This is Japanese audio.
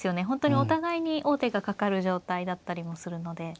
本当にお互いに王手がかかる状態だったりもするので。